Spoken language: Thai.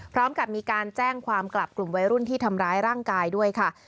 พร้อมกับมีการแจ้งความกลับกลุ่มวัยรุ่นที่ทำร้ายร่างกายด้วยค่ะ